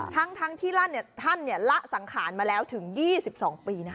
ทั้งที่ท่านละสังขารมาแล้วถึง๒๒ปีนะคะ